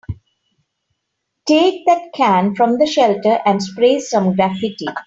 Take that can from the shelter and spray some graffiti.